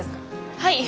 はい。